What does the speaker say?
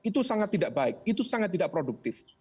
itu sangat tidak baik itu sangat tidak produktif